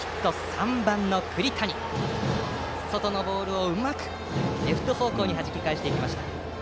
３番、栗谷が外のボールをうまくレフト方向にはじき返しました。